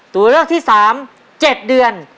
ตัวเลือกที่๓๗เดือน